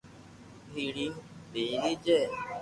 ھيڙين پيري جي